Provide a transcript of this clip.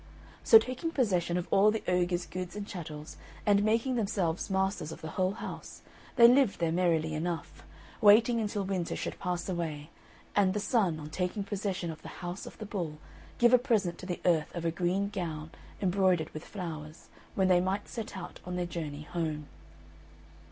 So taking possession of all the ogre's goods and chattels, and making themselves masters of the whole house, they lived there merrily enough, waiting until winter should pass away, and the Sun, on taking possession of the house of the Bull, give a present to the Earth of a green gown embroidered with flowers, when they might set out on their journey home.